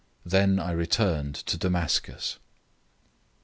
Then I returned to Damascus.